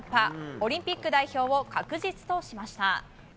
オリンピック代表を確実としました。